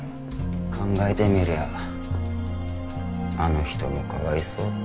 「考えてみりゃあの人もかわいそうっていうか」